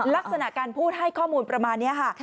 ลักษณะการพูดให้ข้อมูลประมาณนี้ค่ะ